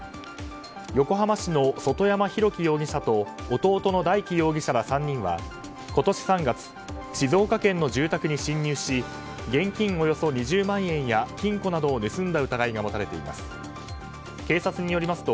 横浜市の外山裕輝容疑者と弟の大輝容疑者ら３人は今年３月、静岡県の住宅に侵入し現金およそ２０万円や金庫などを盗んだ疑いが持たれています。